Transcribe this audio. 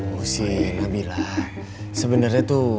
gila bilang sebenarnya tuh